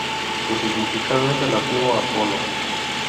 Su significado es "relativo a Apolo".